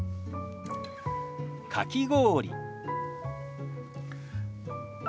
「かき氷」。